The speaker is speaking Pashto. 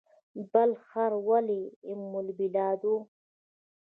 بلخ ښار ولې ام البلاد و؟